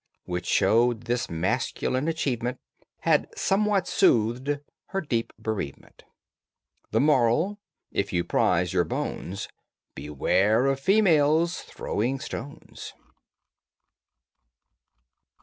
_" Which showed this masculine achievement Had somewhat soothed her deep bereavement. THE MORAL: If you prize your bones Beware of females throwing stones.